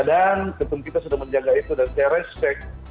dan ketum kita sudah menjaga itu dan saya respect